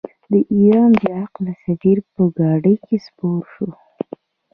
د ایران بې عقل سفیر په ګاډۍ کې سپور شو.